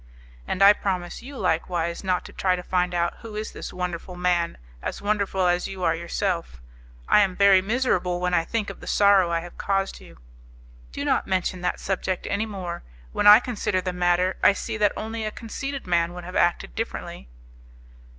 "And I promise you likewise not to try to find out who is this wonderful man as wonderful as you are yourself. I am very miserable when I think of the sorrow I have caused you." "Do not mention that subject any more; when I consider the matter, I see that only a conceited man would have acted differently."